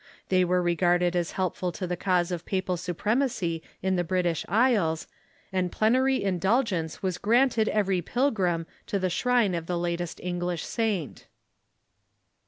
They were regarded as helpful to the cause of papal supremacy in the British Isles, and plenary indulgence was granted every pilgrim to the shrine of the latest English saint.